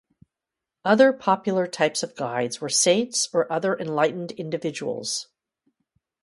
Other popular types of guides were saints or other enlightened individuals.